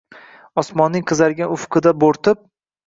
Osmonning qizargan ufqida bo’rtib